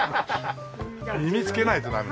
耳つけないとダメ。